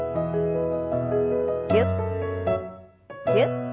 ぎゅっぎゅっ。